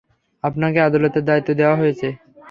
আপনাকে আদালতের দায়িত্ব দেওয়া হয়েছে।